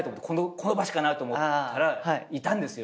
この場しかないと思ったらいたんですよ。